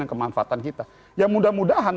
dan kemanfaatan kita ya mudah mudahan